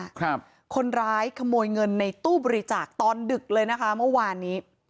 ครับคนร้ายขโมยเงินในตู้บริจาคตอนดึกเลยนะคะเมื่อวานนี้